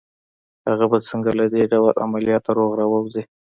هغه به څنګه له دې ډول عملياته روغ را ووځي